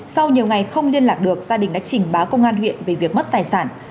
sau nhiều ngày không liên lạc được gia đình đã trình báo công an huyện về việc mất tài sản